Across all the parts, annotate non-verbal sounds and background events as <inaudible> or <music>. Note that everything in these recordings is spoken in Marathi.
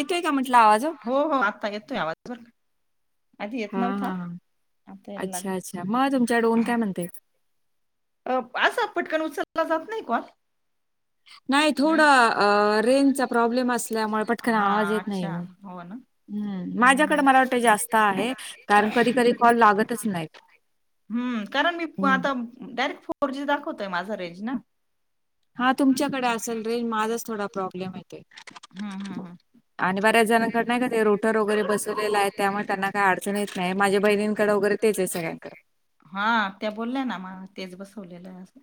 येतोय का म्हटलं आवाज ओ? हो हो आता येतोय आवाज बरका. आधी येत हां नवता हां. आता यायला अच्छा, अच्छा. मग तुमच्या डोन काय लागला. म्हणते? अ असा पटकन उचलला जात नाही कॉल. नाही थोड रेंजचा प्रॉब्लेम असल्यामुळे, पटकन आवाज हा येत नाही अच्छा ना. हो ना हम्म माझ्याकडे मला वाटतं जास्त आहे, कारण कधी कधी कॉल लागतच नाहीत. हम्म कारण मी हं. आता, डायरेक्ट फोर जी दाखवतोय माझा रेंज ना. हा असं तुमच्याकडे असेल रेंज, माझाच थोडा प्रॉब्लेम येते. हम्म हम्म हम्म आणि बऱ्याच जणांकडे नाही का ते रोटर वगैरे बसवलेले आहे, त्यामुळे त्यांना काही अडचण येत नाही, माझ्या बहिणींकडे वगैरे तेच आहे सगळ्यांकडे. हा त्या बोलल्या ना, म तेच बसवलेलंय अस.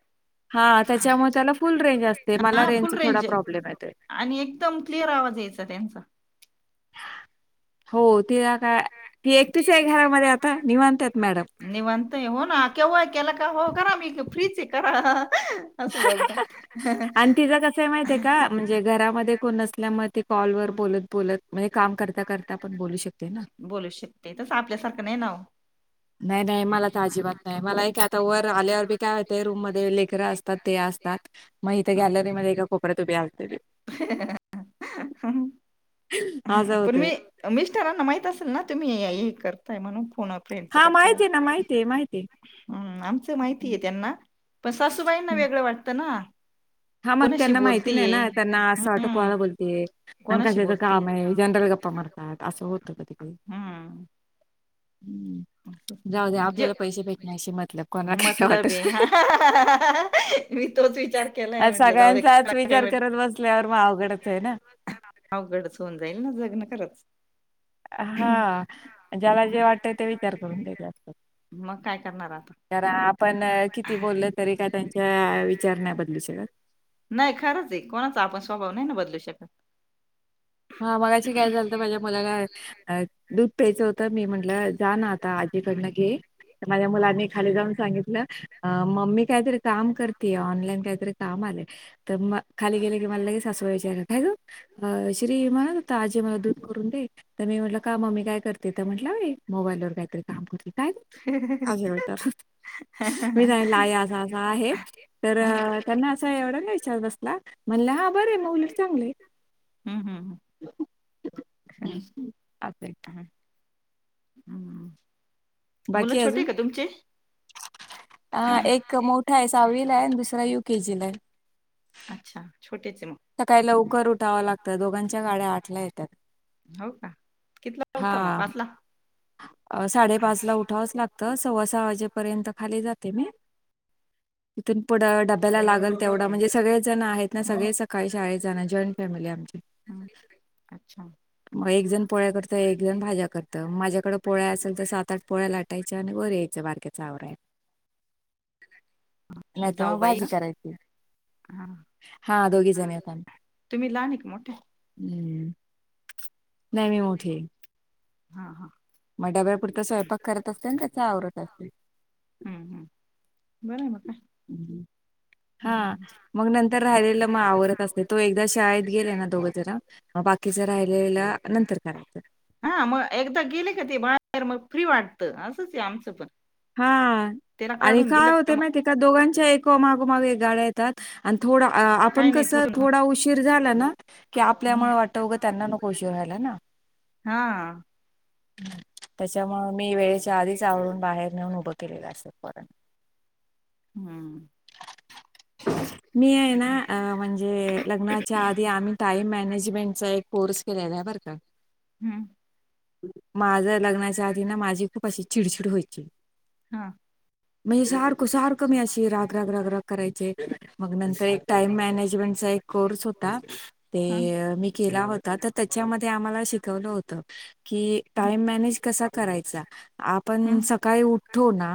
हा त्याच्यामुळे त्याला फुल रेंज असते, मला हा फुल रेंजचा थोडा रेंज प्रॉब्लेम येतोय. आणि एकदम क्लिअर आवाज यायचा त्यांचा. हो, तिला काय ती एकटीच आहे घरामध्ये आता निवांत आहेत मॅडम. निवांतय हो ना. केव्हा केला का हो करा, मी फ्रीच करा, अस बोलता. आणि तिच कसंय माहिते का? म्हणजे घरामध्ये कोण नसल्यामुळे कॉलवर बोलत बोलत म्हणजे का म करता, करता पण बोल बोलू शकते, तस आपल्यासारखं नाही नाव. नाही नाही मला त अजीबात नाही, मला एक आता वर आल्यावर बी, काय होते रूम मध्ये लेकर असतात, ते असतात. मग इथ गॅलरी मध्ये एका कोपऱ्यात उभी असते मी. हम्म, असं पण होतंय. मी मी मिस्टरांना माहीत असेल ना, तुम्ही हे करताय म्हणून. फोन अ फ्रेंडच हा करताय माहितीय असं. ना, माहिते माहिते. हम्म आमचं माहितीय त्यांना, पण सासूबाईंना हम्म. वेगळं वाटतं ना. हा मग कोणाशी त्यांना माहिती नाही बोलतीये ना, त्यांना असं वाट हम्म कोनाला बोलते आणि कोणाशी कशाच बोलतीये कामे, जनरल गप गप्पा मारतात, असं होत कधी काधी. हम्म म्हणजे आपल्याला पैसे <unintelligible> भेटण्याशी मतलब कोणाला काय मतलब वाटत आहे मी तोच विचार केला. आ सगळ्यांचाच विचार करत बसल्यावर मग अवघडच आहे ना. अवघडच होऊन जाईल ना जगण खराच. हा ज्याला जे वाटत ते विचारत. असत मग काय करणार आता <unintelligible> पण किती बोलल तरी काय त्यांच्या विचारण्या बदलू शकत. नाही खरंच आहे कोणाचा आपण स्वभाव नाही ना बदलू शकत. हा मगाशी काय झाल, तर माझ्या मला काय दू पच होतं मी म्हंटलं जा ना आता आजीकडनं घे. माझ्या मुलांनी खाली जाऊन सांगितलं, मम्मी काहीतरी काम करतेय ऑनलाईन काहीतरी काम. त म खली गेल की लगेच मला सासुबाई विचारलं काय ग. म्हणत हो आजी मला दूध करून दे, तर मी म्हटलं का मग ममी काय करते, तर म्हटलं मोबाईल वर काहीतरी काम कर. ह <unintelligible> मी जायला आई आझझा आहे, तर त्यांना असा एवढा ना विच्वा बसला. मल्हार. हम्म. हम्म असं आहे. हम्म. हम्म हम्म, मुलं छोटे का? तुमचे. हा एक मोठाय साहावीलाय, आणि दुसरा युकेजीलाय. अच्छा छोटेच आहे मग सकायला उकर उठावं लागतं दोघांच्या गाड्या आटल्या येतात हो का किथला उटत मग हा पाचला. अ हं, साडेपाच ला उठावंच लागतं, सव्वा सहा वाजेपर्यंत खाली जात. ी तथून पुढं डब्याला लागल तेवढं म्हणजे सगळे. जण आहेत ना सगळे सकाळी शाळेत जाण जॉईंट फॅमिली आमची. हं. अच्छा मग एक जण पोळ्या करत, एक जण भाज्या करत माझ्या पोळ्या असेल तर सात आठ पोळ्या लाटायच्या, आणि बर यायचं बारक्याचा आवरा. ह. <unintelligible> नाही तर मग बाजी करायची. हां हा दोघी जण यता तुम्ही लहान आहे का मोठ्या? हम्. नाही मी मोठी. हा हा. मग डाब्यापुरत स्वयंपाक करत असते, ना त्याचा आवरत असते. हम्म हम्म बरं म का. हा मग नंतर राहिलेलं मग आवरत असते, तो एकदा शाळेत गेले ना दोघं जरा. बाकीच राहिलेला नंतर करायचं. हा मग एकदा गेले का ते बाहेर मग फ्री वाटतं असंच आमचं पण. हा त्याला आणि काढून दिलं काय होते माहिती का दोघांच्या एक मागोमागे एक गाड्या येतात आणि. थोडा मग आपण काही नाही कसं थोडं थोडा उशीर झाला ना की आपल्यामुळे वाट ग त्यांना नको उशीर झाला ना. हा. त्याच्यामुळ मी वेळेच्या आधीच आवरून बाहेर नेऊन उभं केलेलं असेल पर्ण. हं, मी आहे ना म्हणजे लग्नाच्या आधी आम्ही टाइम मॅनेजमेंटचा एक कोर्स केलेला. बर का. हम्म. माझं लग्नाच्या आधी ना माझी खूप अशी चिडचिड व्हायची. हा. म्हणजे सारखं सारखं मी अशी रागराग रागराग करायचे मग न टाइम मॅनेजमेंटचा एक कोर्स होता हां. ते मी केला होता तर त्याच्यामध्ये शव हो क हं, टाम म क कराय आपण हं, सकाळी होो ना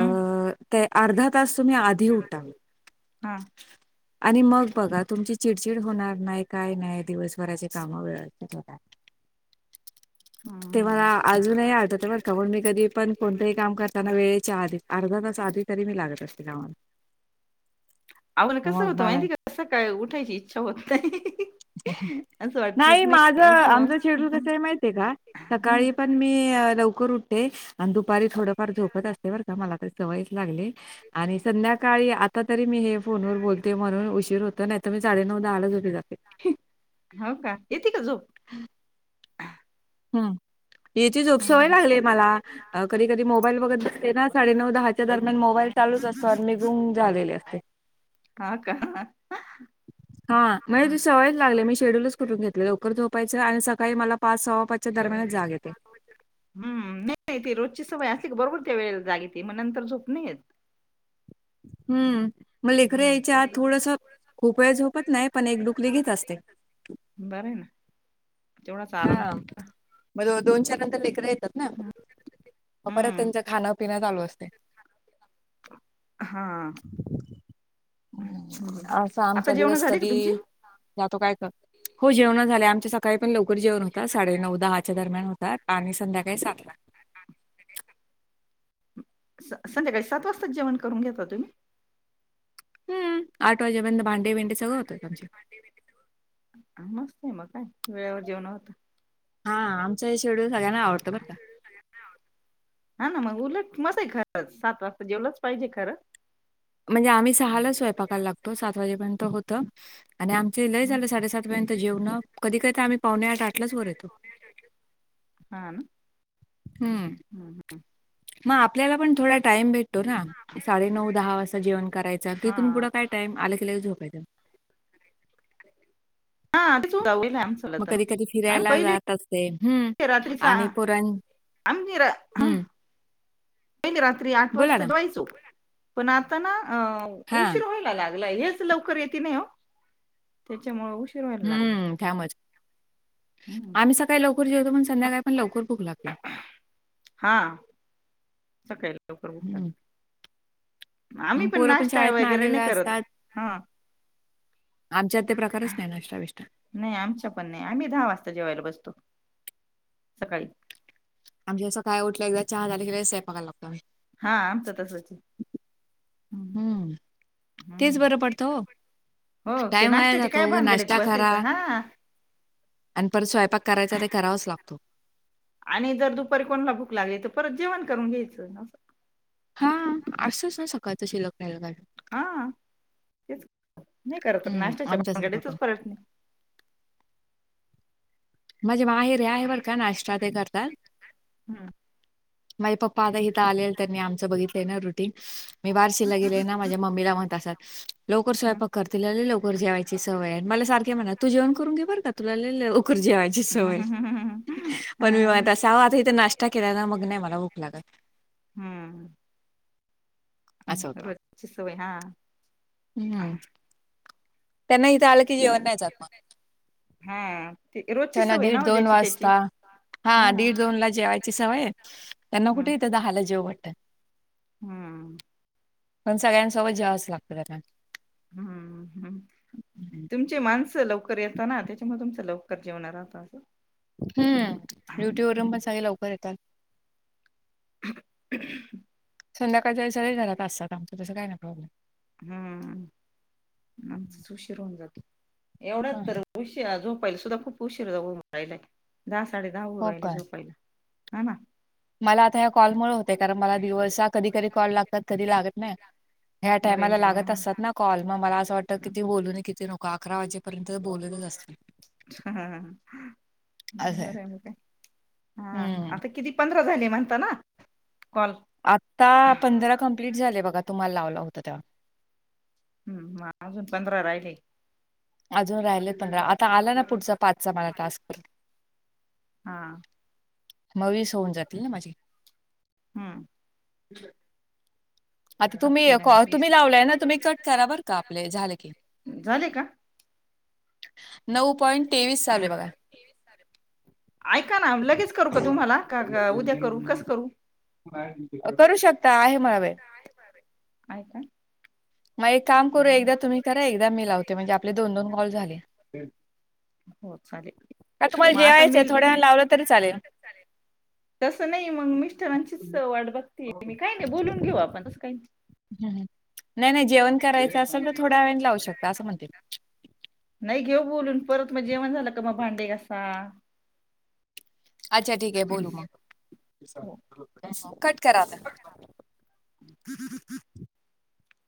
अ ते अर्धा तास तुम्ही आधी उठाल हा आणि मग बघा तुमची चिडचिड होणार नाही काय नाही दिवसभराचे काम वथ हो ते मला हं. अजूनही आडत ते का म्हून मी कधी पण कोणतही काम करताना वेळेच्या आधी अर्धा तास आधी तरी मी लागत असते कामाला आवला कसं मग होत माहिती मला कसं काय उठायची इच्छा होत असं वाटत नाही माझं उठावं. आमचं चेडू कसं आहे माहित हं, सकाळी पण मी कर उठते आणि दुपारी थोडफार झोपत असते बर का मला तर सवयच लागली आणि संध्याकाळी आता तरी मी हे फोनवर बोलते म्हणून उशीर होतो नाही तर मी साडे नऊ दहा आला झोप जाते हो का येते का झोप हम याची हं, झोपसवय हं. लागली मला कधी कधी मोबाईल बघत बसते ना साडे नऊ दहाच्या दरम्यान मोबाईल चालूच असतो आणि निघून झालेले असते हा का <unintelligible> हां म्हणजे ती सवयच लागली मी शेड्यलच कुून घेतले लवकर थोपायं आणि सकाळी मला पाच सववा पाचच्या दरम्यान ्म त रोजची सवय बरोबर त्या वेळेला जागे त मग नंतर झोप नाही येत हम्म मग लेकर हं, यायच्या आत थोडस खूप वेळ झोपत नाही पण एक दुखली घत असते बर आहे ना तेवढाच आराम. हा मग दोन चार नंतर लेकर आहेत परत हं, त्यांच खाण पिणं चालू असते हा असा आमचा दिवस झाली का कधी तुमची? जातो काय कर हो जेवणा झालं आमच्या सकाळी पण लो नाकूर जेवरून होता साडे नऊ दहाच्या दरम्यान होता आणि संध्याकाळी सात ला संध्याकाळी सात वाजताच जेवण करून घेता तुम्ही हम्म आठ वाजे बंद भांड आठ वाेपर्य मस्त आहे मग काय वेळेवर जेवण होत हा आमचा ह सेड हा ना मग उलट मस्त खरच सात वाजता जेवलच पाहिजे खरं म्हणजे आम्ही सहाला स्वयंपाकायला लागतो सात वाजेपर्यंत होत आणि आमचे लय झालं साडेसात पर्यंत जेवण कधी कधता आम्ही पावणे आठ आठलाच वर येतो हा ना हम्म मग आपल्याला पण थोडाइम भेट साडे नऊ दहा वाज जेवण कराय तथून पुढ हा कायम ला झोपायचं हा तेच होध होईल आम चला मग तर कधी-कधी ना आ् फिरायला पहिले जात असते. हं. रात्री स आणि पोरां आमनीरा ह हं. ग रात्री आठ बोला वाजता ना. वायचो पण आता ना हां. उशीर व्हायला लाग लाग हेच लवकर येते नाही हो त्याच्यामुळे उशीर व्हायला लागला हं. त्यामुळेच. हम्म. आम्ही सकाळी लवकर जेवतो पण संध्याकाळी पण लवकर भुक लागते हा सकाळी लवकर उठा हं. आम्ही मग पण पोरं नाश्ता शाळेतनं वगैरे आलेले नाही करत असतात. हा आमच्यात ते प्रकारच नाही नाश्ता-बिष्टा. नाही आमच्या पण नाही आम्ही दहा वाजता जेवायला बसतो सकाळी आमसं काय उठलं एकदा चहा झालं कयायलागतो हा आमचं तसच हम्म हम्म. तेच बरं पडतं हो हो ते टाइम आयग नाश्त्याचे त काय उग भानगडीत नाश्ता खरा बसायचं हा आणि परत स्वयंपाक करायचा ते करावाच लागतो आणि जर दुपारी कोणला भूक लागली तर परत जेवण करून घ्यायचं असं हा असच ना सकाळ तशी लगत हा तेच नाही करत हम्म. नाश्त्याच्या आम्ही तसंच बागाड्यातच करतो. परत नाही जेहेरे आहे बर का नाश्र ते करताात हम्म माझ पप्पा आता इिथ आलेल त्यांनी आमचं बघितलंय ना रुटी मी बार्शीला गेले ना माझ्या मम्मीला म्हणत असत लवकर सवय प कर तिला लवकर जेवायची सवय आणि मला सारखे म्हणा तू जेवण करून घे बर का तुला जेवायजी सवय पण मी मा हम्म असव आता इथे नाश्ता केला ना मग नाही मला भूक लागत हम्म असं होतं. रोजची सवय हा त्यांनाहीथं आलं की जेवण नाही जातमा हा ते रोजची त्यांना सवय ना दीड ओ दोन ज्याची त्याची वाजता हा दीड दोन ला जेवायची सवय आहे त्यांना हम्म कुठे इथं दहाला जेव वाटतं हम्म पण सगळ्यांसोबत जेवावंच लागतं त्यांना. हम्म हम् तुमचे माणसं लवकर लवकर येताना त्याच्यामुळे तुमच लवकर जेवणार आहता अस हम्म ड्युटी वरून पण सगळे लवकर येतात <unintelligible> संध्याकाळीच्याळीगळे घरात असतात आमं तसं काय नाही प्रॉब्लेम हम्म आमचच उशीर होऊन जातो एवढाच हा तर हा. उशी झो पाहिला सुद्धा खूप उशीर होतयला दहा साडे दहा उर हो राहिली काय? झोपायला हा ना मला आता ह्या कॉलमुळे होते कारण मला दिवसा कधी कधी कॉल लागतात कधी लागत नाही ह टामाला रेंज मुळं लागत असतात ना कॉल मग मला असं वाटतं किती बोलू कि ते नको अकरा वाजेपर्यंत बोललेच असतील ह असं आहे. बर हा हम्म. आता किती पंध म्हण क आता पंधरा कंप्लीट झाले बघा तुम्हाला लावलं होत तेव्हा हम्म अजून पंधरा राहिले अजून राहिलेत आता आला ना पुढचा <unintelligible> हा मवीस होऊन जातील ना माझी हम्म आता पाच तुम्ही केल्यानंतर वीस तुम्ही लावलाय ना तुम्ही कट करा बर का आपले झालं की झाले का नऊ पॉइंट तेवीस चावले बघा ऐका ना लगेच करू का तुम्हाला का उद्या करू कस करू बघा. करू शकता आहे मणा वळ आय का मग एक काम करू एकदा तुम्ही करा एकदा मी लावते म्हणजे आपले दोन दोन कॉल झाले हो चालेल <inaudible> काक मला मग आता जेवायचंय मी थोडं लावलं तरी चालेल <inaudible> तसं नाही मग मिस्टरांचीच वाट बघते मी काही नाही बोलून घेऊ आपण तं काही <inaudible> <inaudible> ह नाही नाही जेवण करायचं असेल तर थोडं व लावू शकता असं म्हणते नाही घेऊ बोलून परत मग जेवण झालं का मग भांडे कसा <inaudible> अच्छा ठीक आहे बोलू <inaudible> मग कट करता किती कि <inaudible>